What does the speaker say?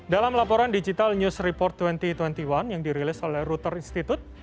dalam laporan digital news report dua ribu dua puluh satu yang dirilis oleh router institute